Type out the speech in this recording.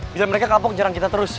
bisa mereka kapok jarang kita terus